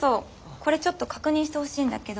これちょっと確認してほしいんだけど。